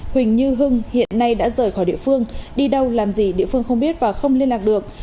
huỳnh như hưng hiện nay đã rời khỏi địa phương đi đâu làm gì địa phương không biết và không liên lạc được